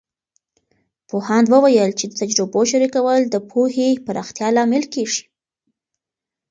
پوهاند وویل چې د تجربو شریکول د پوهې پراختیا لامل کیږي.